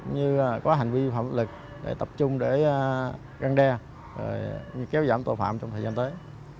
như có hành vi phạm lực để tập trung để găng đe kéo giảm tội phạm trong thời gian tới